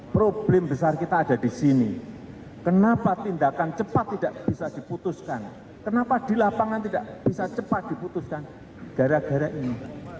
problem besar kita ada di sini kenapa tindakan cepat tidak bisa diputuskan kenapa di lapangan tidak bisa cepat diputuskan gara gara ini